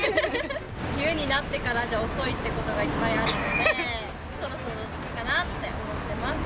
冬になってからじゃ遅いということがいっぱいあるので、そろそろかなって思ってます。